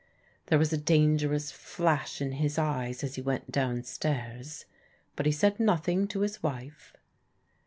There was a dangerous flash in his eyes as he went down stairs, but he said nothing to his wife.